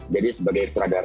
jadi sebagai seteradara